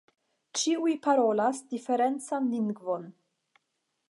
Ĉiuj parolas diferencan lingvon.